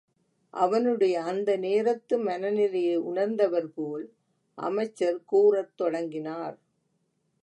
அவனுடைய அந்த நேரத்து மனநிலையை உணர்ந்தவர்போல் அமைச்சர் கூறத் தொடங்கினார்.